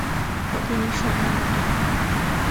তিনি সম্মানিত।